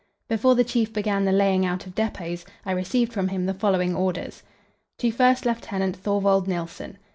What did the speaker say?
Before the Chief began the laying out of depots, I received from him the following orders: "To First lieutenant Thorvald Nilsen.